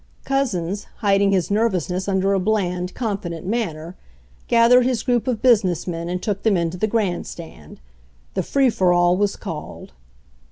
Couzens, hiding his nervousness under a bland, confident manner, gathered his group of business men and took them into the grandstand. The free for all was called.